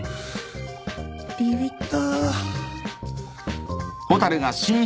ビビった。